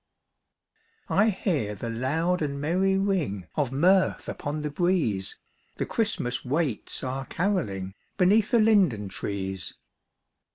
I hbab the loud and merry ring Of mirth upon the breeze, The Christmas " waits " are carolling Beneath the linden trees.